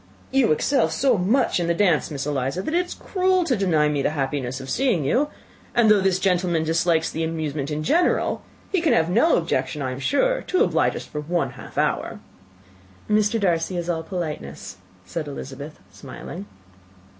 "You excel so much in the dance, Miss Eliza, that it is cruel to deny me the happiness of seeing you; and though this gentleman dislikes the amusement in general, he can have no objection, I am sure, to oblige us for one half hour." "Mr. Darcy is all politeness," said Elizabeth, smiling.